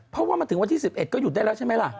เพราะว่ามาถึงวันที่๑๑ก็หยุดได้แล้วใช่ไหมล่ะ